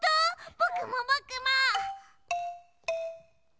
ぼくもぼくも！